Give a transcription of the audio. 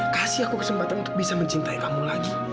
kasih aku kesempatan untuk bisa mencintai kamu lagi